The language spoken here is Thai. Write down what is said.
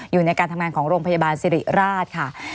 อยู่ในการทำงานของโรงพยาบาลสิริราชค่ะ